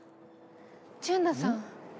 純奈さん。